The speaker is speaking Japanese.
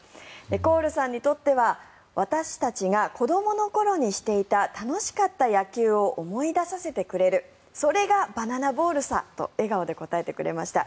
コールさんにとっては私たちが子どもの頃にしていた楽しかった野球を思い出させてくれるそれがバナナボールさと笑顔で答えてくれました。